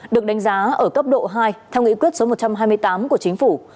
được đánh giá ở cấp độ hai theo nghị quyết số một trăm hai mươi tám của chính phủ